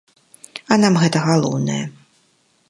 А нам гэта галоўнае.